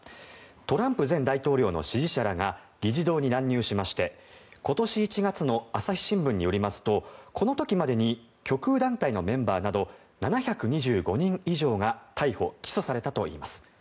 トランプ前大統領の支持者らが議事堂に乱入しまして今年１月の朝日新聞によりますとこの時までに極右団体のメンバーなど７２５人以上が逮捕・起訴されたといいます。